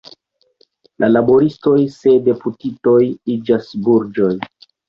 La laboristoj se deputitoj iĝas burĝoj.